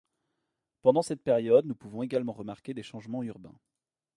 Pendant cette période, nous pouvons également remarquer des changements urbains.